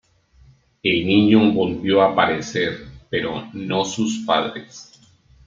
El niño volvió a aparecer, pero no sus padres.